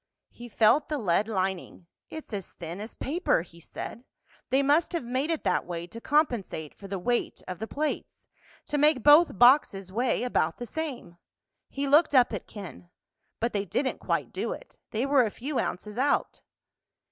He felt the lead lining. "It's as thin as paper," he said. "They must have made it that way to compensate for the weight of the plates—to make both boxes weigh about the same." He looked up at Ken. "But they didn't quite do it—they were a few ounces out."